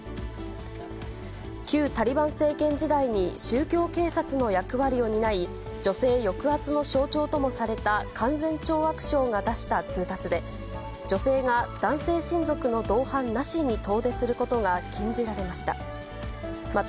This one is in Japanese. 旧タリバン政権時代に宗教警察の役割を担い、女性抑圧の象徴ともされた勧善懲悪省が出した通達で、女性が男性親族の同伴なしに遠出することが禁じられました。